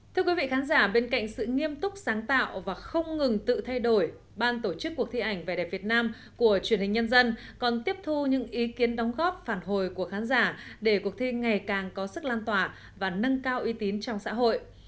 thưa quý vị khán giả bên cạnh sự nghiêm túc sáng tạo và không ngừng tự thay đổi ban tổ chức cuộc thi ảnh vẻ đẹp việt nam của truyền hình nhân dân còn tiếp thu những ý kiến đóng góp phản hồi của khán giả để cuộc thi ngày càng có sức lan tỏa và nâng cao uy tín trong xã hội